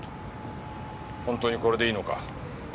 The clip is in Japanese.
本当にこれでいいのか？